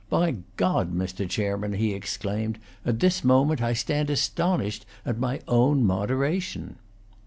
"By God, Mr. Chairman," he exclaimed, "at this moment I stand astonished at my own moderation."